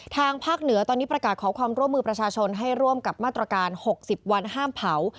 ทางภาคเหนือตอนนี้ประกาศขอความร่วมมือประชาชนให้ร่วมกับมาตรการ๖๐วันห้ามเผา